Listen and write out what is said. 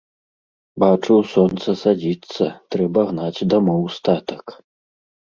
Бачу, сонца садзіцца, трэба гнаць дамоў статак.